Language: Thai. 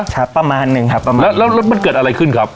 ประมาณหนึ่งครับประมาณแล้วแล้วมันเกิดอะไรขึ้นครับ